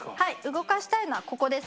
動かしたいのはここです。